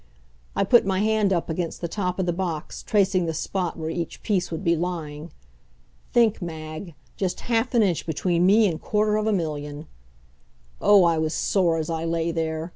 I put my hand up against the top of the box, tracing the spot where each piece would be lying. Think, Mag, just half an inch between me and quarter of a million! Oh, I was sore as I lay there!